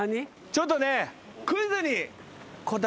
ちょっとね。